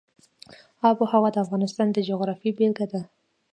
آب وهوا د افغانستان د جغرافیې بېلګه ده.